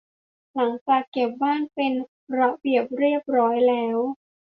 หลังจากเก็บบ้านเป็นระเบียบเรียบร้อยแล้ว